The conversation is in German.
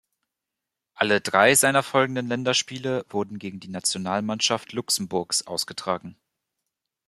Alle drei seiner folgenden Länderspiele wurden gegen die Nationalmannschaft Luxemburgs ausgetragen.